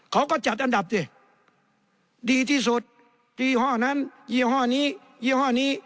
เขาก็จัดอันดับสิดีที่สุดยี่ห้อนั้นยี่ห้อนี้ยี่ห้อนี้